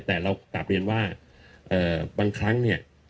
แต่เรากลับเรียนว่าบางครั้งเนี่ย